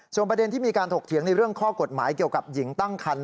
ส่วนประเด็นที่มีการถกเถียงในเรื่องข้อกฎหมายเกี่ยวกับหญิงตั้งคัน